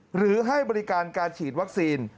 หรือให้บริการการฉีดวัคซีน